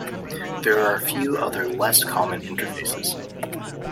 There are a few other less common interfaces.